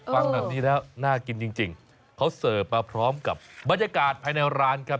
ฟังแบบนี้แล้วน่ากินจริงเขาเสิร์ฟมาพร้อมกับบรรยากาศภายในร้านครับ